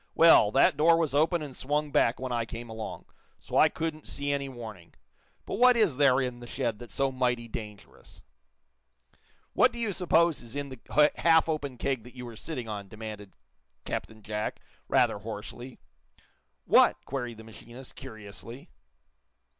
"Well, that door was open and swung back when I came along, so I couldn't see any warning. But what is there in the shed that's so mighty dangerous?" "What do you suppose is in the half open keg that you were sitting on?" demanded Captain Jack, rather hoarsely. "What!" queried the machinist, curiously.